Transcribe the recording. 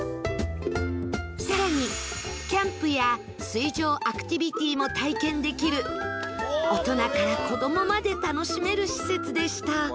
更にキャンプや水上アクティビティも体験できる大人から子どもまで楽しめる施設でした